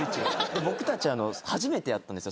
僕たち初めてやったんですよ